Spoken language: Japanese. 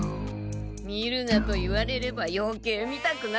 見るなと言われればよけい見たくなるものです。